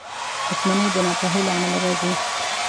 • دښمني د ناپوهۍ له امله راځي.